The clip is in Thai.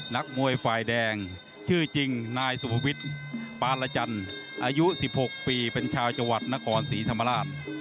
นักมวยฝ่ายแดงชื่อจริงนายสุภวิทย์ปารจันทร์อายุ๑๖ปีเป็นชาวจังหวัดนครศรีธรรมราช